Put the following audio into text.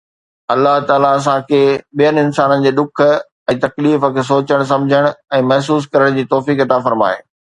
الله تعاليٰ اسان کي ٻين انسانن جي ڏک ۽ تڪليف کي سوچڻ، سمجهڻ ۽ محسوس ڪرڻ جي توفيق عطا فرمائي